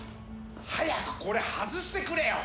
早くこれ外してくれよ！